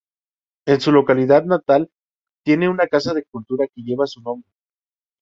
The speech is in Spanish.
En su localidad natal tiene una Casa de Cultura que lleva su nombre.